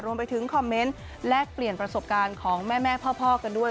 รวมไปถึงคอมเมนต์แลกเปลี่ยนประสบการณ์ของแม่พ่อกันด้วย